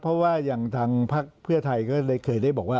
เพราะว่าอย่างทางพักเพื่อไทยก็เลยเคยได้บอกว่า